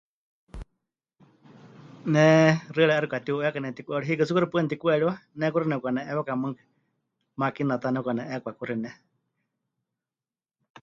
Ne xɨari 'aixɨ pɨkatiu'eekwa nepɨtiku'eriwa, hiikɨ tsɨ kuxi paɨ nepɨtiku'eriwa, ne kuxi nepɨkane'eekwakai mɨɨkɨ, máquina ta nepɨkane'eekwa kuxi ne.